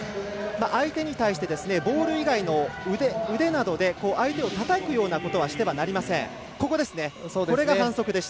相手に対してボール以外の腕などで相手をたたくようなことはしてはなりません。